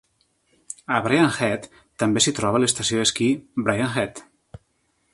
A Brian Head també s'hi troba l'estació d'esquí Brian Head.